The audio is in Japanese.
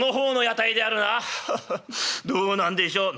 「ハハハどうなんでしょう」。